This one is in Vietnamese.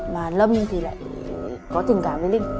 mà lâm thì lại có tình cảm với linh